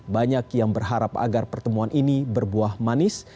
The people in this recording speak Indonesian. banyak yang berharap agar pertemuan ini berbuah manis